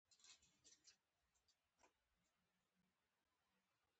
د متلونو پر خلاف دا لنډې ویناوی د عامو خلکو کلام نه دی.